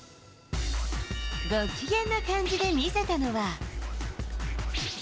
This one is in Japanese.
ご機嫌な感じで見せたのは。